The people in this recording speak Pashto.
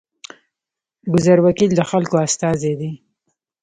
ګذر وکیل د خلکو استازی دی